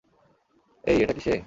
এই, এটা কি সে?